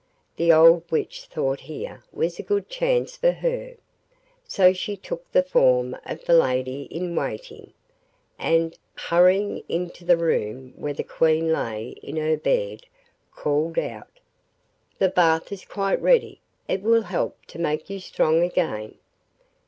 The old witch thought here was a good chance for her; so she took the form of the lady in waiting, and, hurrying into the room where the Queen lay in her bed, called out, 'The bath is quite ready; it will help to make you strong again.